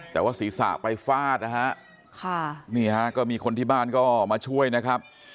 แต่ว่าศีรษะไปฟาดนะฮะค่ะนี่ฮะก็มีคนที่บ้านก็มาช่วยนะครับ